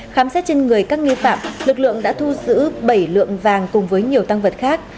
khám xét trên người các nghi phạm lực lượng đã thu giữ bảy lượng vàng cùng với nhiều tăng vật khác